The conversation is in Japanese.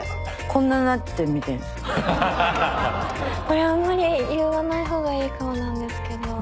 これあんまり言わないほうがいいかもなんですけど。